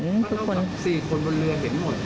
สี่คนบนเรือเห็นหมดว่าคุณแจงโมไปปัสสาวะ